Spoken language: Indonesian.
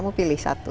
kamu pilih salah satu